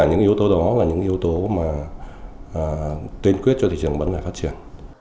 và những yếu tố đó là những yếu tố mà tuyên quyết cho thị trường bán lẻ phát triển